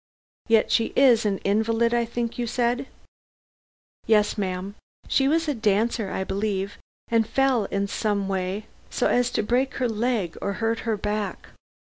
"Yet she is an invalid I think you said?" "Yes, ma'am. She was a dancer, I believe, and fell in some way, so as to break her leg or hurt her back.